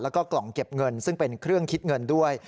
แล้วก็กล่องเก็บเงินซึ่งเป็นเครื่องคิดเงินด้วย